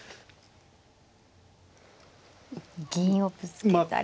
銀をぶつけたり。